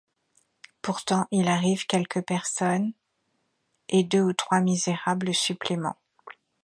Pourtant, il arrive quelques personnes, et deux ou trois misérables suppléments.